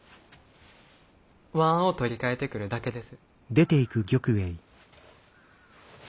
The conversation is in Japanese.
椀を取り替えてくるだけです！